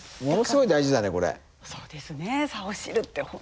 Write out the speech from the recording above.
そうですね。